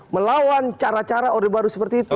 melawan cara cara orde baru seperti itu